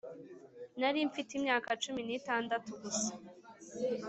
nari mfite imyaka cumi nitandatu gusa